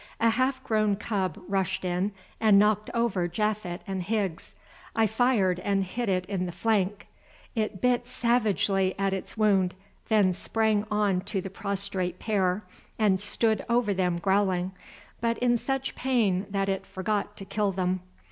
A half grown cub rushed in and knocked over Japhet and Higgs. I fired and hit it in the flank. It bit savagely at its wound, then sprang on to the prostrate pair, and stood over them growling, but in such pain that it forgot to kill them.